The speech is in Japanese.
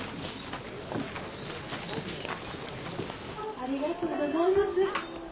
ありがとうございます。